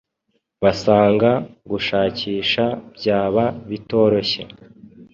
basanga gushakisha byaba bitoroshye